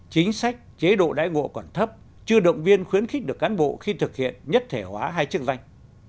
chính sách chế độ đại ngộ còn thấp chưa động viên khuyến khích được cán bộ khi thực hiện nhất thể hóa hai chức danh